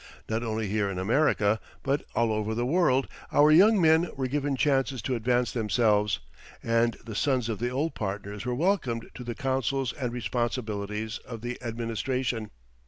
Not only here in America, but all over the world, our young men were given chances to advance themselves, and the sons of the old partners were welcomed to the councils and responsibilities of the administration.